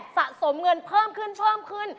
สะสมเงินเพิ่มขึ้นเพิ่มขึ้น